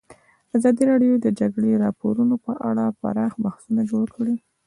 ازادي راډیو د د جګړې راپورونه په اړه پراخ بحثونه جوړ کړي.